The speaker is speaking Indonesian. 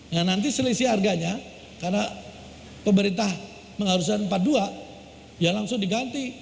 nah nanti selisih harganya karena pemerintah mengharuskan empat puluh dua ya langsung diganti